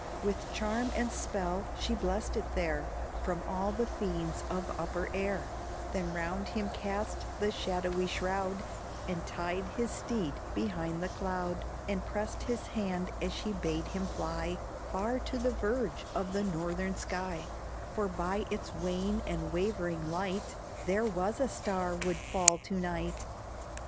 With charm and spell she blessed it there, From all the fiends of upper air; Then round him cast the shadowy shroud, And tied his steed behind the cloud; And pressed his hand as she bade him fly Far to the verge of the northern sky, For by its wane and wavering light There was a star would fall to night.